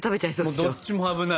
どっちも危ない。